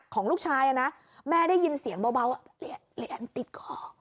ของลูกชายนะแม่ได้ยินเสียงเบาเหรียญติดคอ